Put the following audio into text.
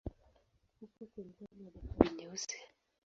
Upo kwenye pwani ya Bahari Nyeusi.